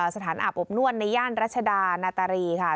สถานอับอบนวลในย่านรัชดาและธรรมหน้าตาเรียกค่ะ